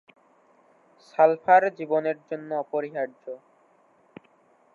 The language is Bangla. সালফার জীবনের জন্যে অপরিহার্য।